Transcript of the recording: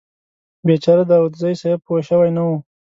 بیچاره داوودزی صیب پوه شوي نه و.